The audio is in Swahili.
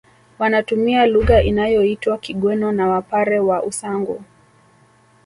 Wanatumia lugha inayoitwa Kigweno na Wapare wa Usangu